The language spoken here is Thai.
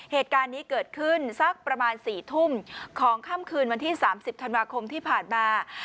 เหตุการณ์นี้เกิดขึ้นสักประมาณ๔ทุ่มของค่ำคืนวันที่๓๐ธันวาคมที่ผ่านมา